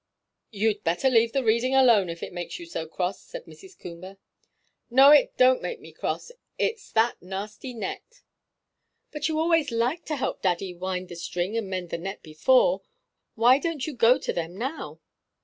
"You'd better leave the reading alone, if it makes you so cross," said Mrs. Coomber. "No, it don't make me cross; it's that nasty net." "But you always liked to help daddy wind the string and mend the net before. Why don't you go to them now?"